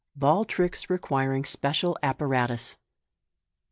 Bali Tricks Requiring Special Apparatus.